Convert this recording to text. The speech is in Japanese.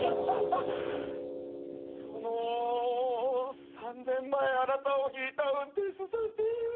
その３年前あなたをひいた運転手さんって。